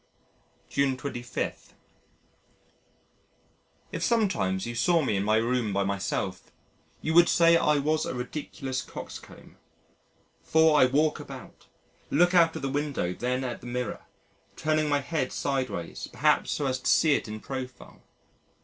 June 25. If sometimes you saw me in my room by myself, you would say I was a ridiculous coxcomb. For I walk about, look out of the window then at the mirror turning my head sideways perhaps so as to see it in profile.